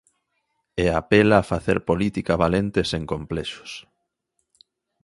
E apela a facer política valente e sen complexos.